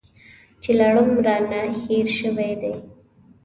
چې لړم رانه هېر شوی دی .